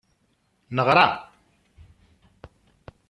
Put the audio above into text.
Neɣra.